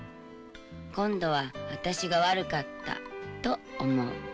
今度は私が悪かったと思う。